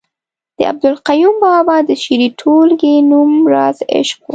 د عبدالقیوم بابا د شعري ټولګې نوم رازِ عشق ؤ